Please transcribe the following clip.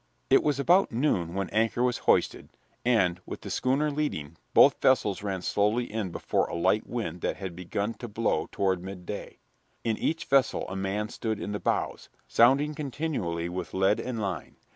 It was about noon when anchor was hoisted, and, with the schooner leading, both vessels ran slowly in before a light wind that had begun to blow toward midday. In each vessel a man stood in the bows, sounding continually with lead and line.